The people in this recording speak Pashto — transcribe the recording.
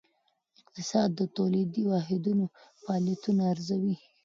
اقتصاد د تولیدي واحدونو فعالیتونه ارزوي.